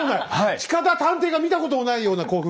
近田探偵が見たこともないような興奮。